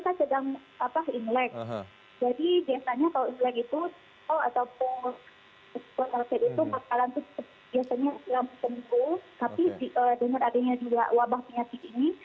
tapi dengan adanya juga wabah penyakit ini